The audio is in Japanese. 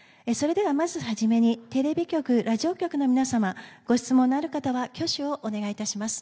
まず初めにテレビ局、ラジオ局の皆様ご質問のある方は挙手をお願い致します。